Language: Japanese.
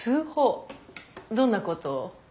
どんなことを？